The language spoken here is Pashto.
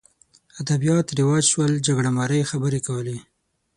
ادبیات رواج شول جګړه مارۍ خبرې کولې